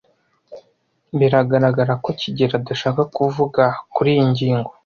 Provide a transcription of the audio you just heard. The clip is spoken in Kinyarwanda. Biragaragara ko kigeli adashaka kuvuga kuriyi ngingo.